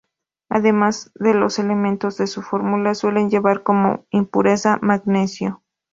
Además de los elementos de su fórmula suele llevar como impureza magnesio.